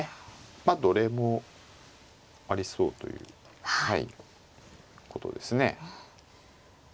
まあどれもありそうというはいことですね。